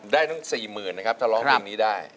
ได้ทั้ง๔๐๐๐นะครับถ้าร้องเพลงนี้ได้